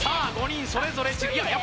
５人それぞれいや